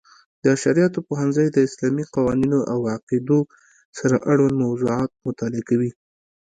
د شرعیاتو پوهنځی د اسلامي قوانینو او عقیدو سره اړوند موضوعاتو مطالعه کوي.